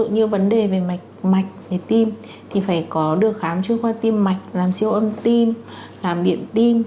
như vấn đề về mạch về tim thì phải có được khám trước khoa tim mạch làm siêu âm tim làm điện tim